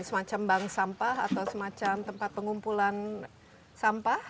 semacam bank sampah atau semacam tempat pengumpulan sampah